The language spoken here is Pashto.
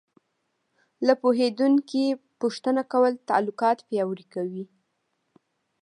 له پوهېدونکي پوښتنه کول تعلقات پیاوړي کوي.